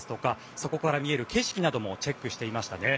そこから見える景色などもチェックしていましたね。